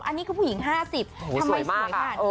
อันนี้คือผู้หญิง๕๐ทำไมสวยขนาดนี้